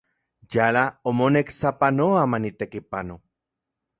Yala omonek sapanoa manitekipano.